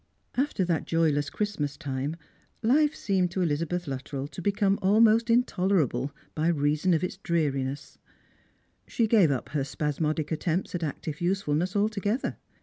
After that joyless Christmas time life seemed to Elizabeth Luttrell to become almost intolerable by reason of its dreariness She gave up her spasmodic attempts at active usefulness alto gether.